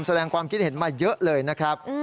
แสดงความคิดเห็นมาเยอะเลยนะครับ